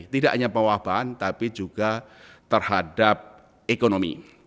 tidak hanya pewabahan tapi juga terhadap ekonomi